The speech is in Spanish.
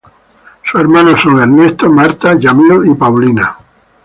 Sus hermanos son Ernesto, Martha, Yamil y Paulina.